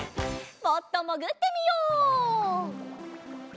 もっともぐってみよう。